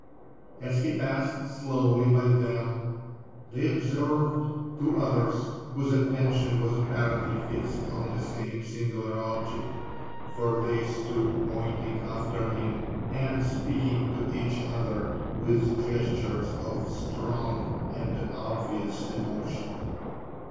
'As he passed slowly by them, they observed two others whose attention was apparently fixed on the same singular object, for they stood pointing after him, and speaking to each other with gestures of strong and obvious emotion.